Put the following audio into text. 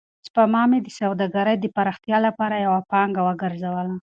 سپما مې د سوداګرۍ د پراختیا لپاره یوه پانګه وګرځوله.